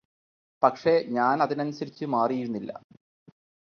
പക്ഷേ ഞാനതിനനുസരിച്ച് മാറിയിരുന്നില്ല